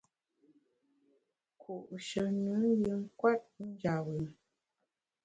Ku’she nùn yin kwet njap bùn.